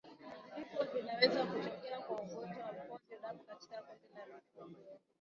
Vifo vinaweza kutokea kwa ugonjwa wa mkojo damu katika kundi la mifugo